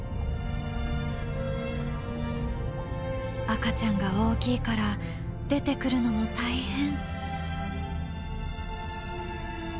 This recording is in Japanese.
赤ちゃんが大きいから出てくるのも大変。